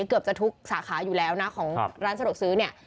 เกือบจะทุกสาขาอยู่แล้วนะของร้านสะดวกซื้อเนี่ย